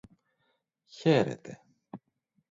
Χαίρετε.